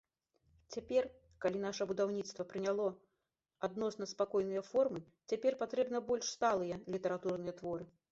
Цяпер, калі наша будаўніцтва прыняло адносна спакойныя формы, цяпер патрэбны больш сталыя літаратурныя творы.